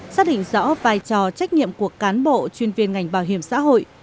sát hình rõ vai trò trách nhiệm của cán bộ chuyên viên ngành bảo hiểm xã hội